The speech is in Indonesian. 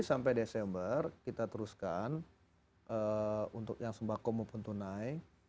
sampai desember kita teruskan untuk yang sembahkomu pun tunai